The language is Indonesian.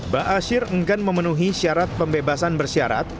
ba'asyir enggan memenuhi syarat pembebasan bersyarat